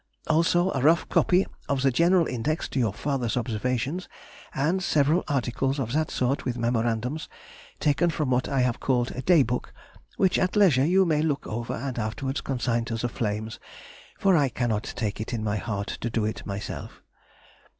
Also a rough copy of the general Index to your father's observations, and several articles of that sort with memorandums taken from what I have called a Day book, which at leisure you may look over and afterwards consign to the flames, for I cannot take it in my heart to do it myself.